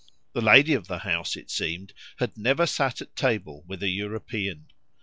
The lady of the house, it seemed, had never sat at table with an European.